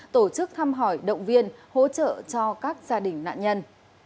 tổ chức thăm hỏi động viên hỗ trợ cho các gia đình nạn nhân